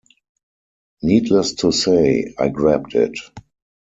Needless to say, I grabbed it.